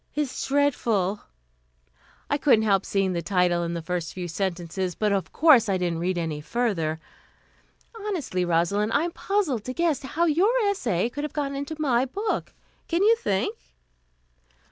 It's dreadful " "I couldn't help seeing the title and the first few sentences, but of course I didn't read any further. Honestly, Rosalind, I am puzzled to guess how your essay could have got into my book. Can you think?"